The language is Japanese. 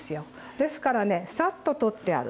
ですからねサッと取ってやる。